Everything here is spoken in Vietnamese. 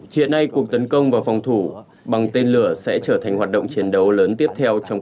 hiện nay cuộc tấn công vào phòng thủ bằng tên lửa sẽ trở thành hoạt động chiến đấu lớn tiếp theo trong